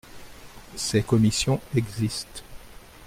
Ces commissions existent.